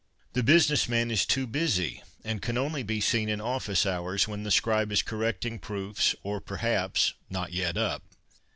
The business man is too busy, and can only be seen in offiee hours, when the scribe is correcting proofs or, perhaps, not yet up.